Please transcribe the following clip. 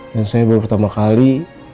dan saya baru pertama kali